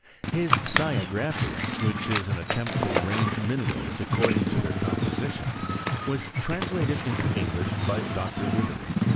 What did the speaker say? His Sciagraphia, which is an at tempt to arrange minerals according to their compo sition, was translated into English by Dr. Withering.